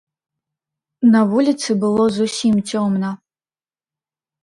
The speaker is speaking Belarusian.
На вуліцы было зусім цёмна.